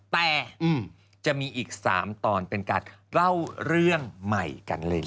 แต่จะมีอีก๓ตอนเป็นการเล่าเรื่องใหม่กันเลยทีเดียว